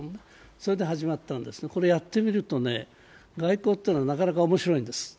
それで始まったんですが、これをやってみると外交というのは、なかなか面白いんです。